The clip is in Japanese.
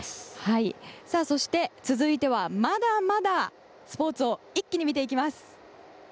そして、続いてはまだまだスポーツを一気に見ていきます。